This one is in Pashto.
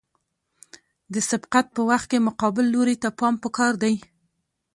د سبقت په وخت کې مقابل لوري ته پام پکار دی